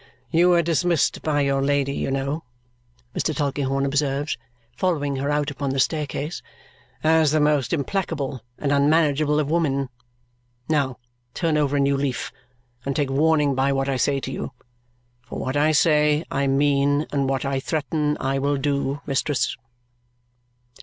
"You were dismissed by your lady, you know," Mr. Tulkinghorn observes, following her out upon the staircase, "as the most implacable and unmanageable of women. Now turn over a new leaf and take warning by what I say to you. For what I say, I mean; and what I threaten, I will do, mistress."